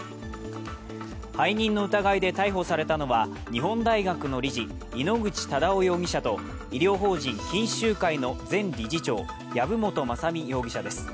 背任の疑いで逮捕されたのは日本大学の理事、井ノ口忠男容疑者と医療法人錦秀会の前理事長籔本雅巳容疑者です。